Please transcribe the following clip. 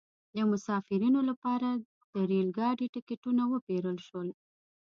د مسافرینو لپاره د ریل ګاډي ټکټونه وپیرل شول.